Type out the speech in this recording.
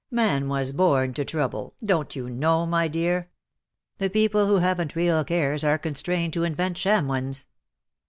' Man was born to trouble/ don^t you know, my dear ? The people who haven't real cares are constrained to invent sham ones.